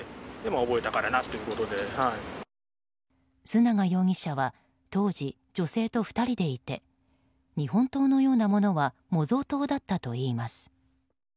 須永容疑者は当時、女性と２人でいて日本刀のようなものは模造刀だったといいます。